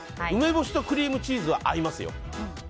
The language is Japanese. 梅干しとクリームチーズは合いますよ。